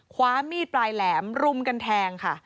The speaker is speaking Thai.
คว้ามีดปลายแหลมรุมกันแทงค่ะ